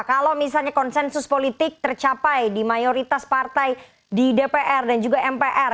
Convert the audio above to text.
kalau misalnya konsensus politik tercapai di mayoritas partai di dpr dan juga mpr